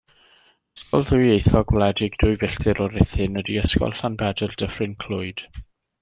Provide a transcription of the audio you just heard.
Ysgol ddwyieithog, wledig dwy filltir o Ruthun ydy Ysgol Llanbedr Dyffryn Clwyd.